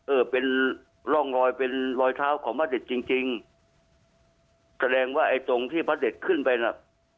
เออเป็นร่องรอยเป็นรอยเท้าของพระเด็ดจริงจริงแสดงว่าไอ้ตรงที่พระเด็ดขึ้นไปน่ะ